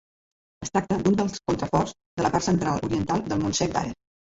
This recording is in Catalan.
Es tracta d'un dels contraforts de la part central-oriental del Montsec d'Ares.